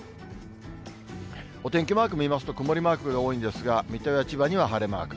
お天気マーク見ますと、曇りマークが多いんですが、水戸や千葉には晴れマーク。